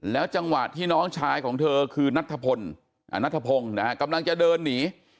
จังหวะที่น้องชายของเธอคือนัทธพงศ์นะฮะกำลังจะเดินหนี